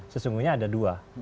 sesungguhnya ada dua